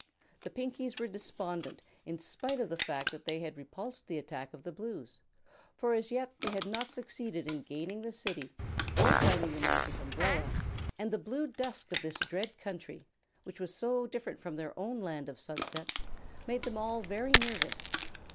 The Pinkies were despondent in spite of the fact that they had repulsed the attack of the Blues, for as yet they had not succeeded in gaining the City or finding the Magic Umbrella, and the blue dusk of this dread country which was so different from their own land of sunsets made them all very nervous.